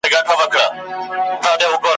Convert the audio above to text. زه په اغزیو کی ورځم زه به پر سر ورځمه ,